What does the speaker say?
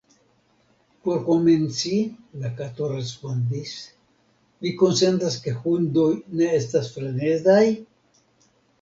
"Por komenci," la Kato respondis, "vi konsentas ke hundoj ne estas frenezaj?"